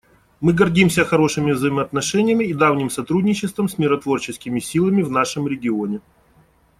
Мы гордимся хорошими взаимоотношениями и давним сотрудничеством с миротворческими силами в нашем регионе.